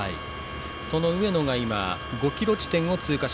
その上野が今、５ｋｍ地点を通過。